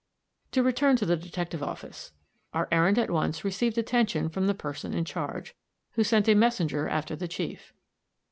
To return to the detective office. Our errand at once received attention from the person in charge, who sent a messenger after the chief.